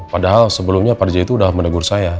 padahal sebelumnya pak rija itu udah menegur saya